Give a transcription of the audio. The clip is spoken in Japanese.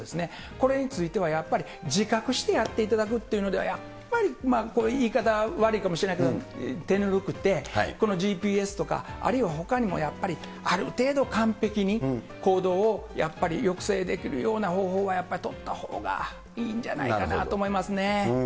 これについては、やっぱり自覚してやっていただくというのは、やっぱりこれ、言い方は悪いかもしれないけど、手ぬるくて、このＧＰＳとか、あるいはほかにもやっぱり、ある程度、完璧に行動をやっぱり抑制できるような方法は、やっぱり取ったほうがいいんじゃないかなと思いますね。